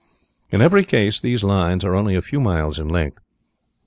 In every case these lines are only a few miles in length.